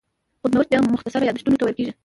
خود نوشت بیا مختصر یادښتونو ته ویل کېږي.